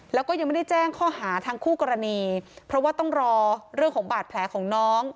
แล้วก็ยังไม่ได้แจ้งข้อหาทางคู่กรณีเพราะว่าต้องรอเรื่องของบาดแผลของน้อง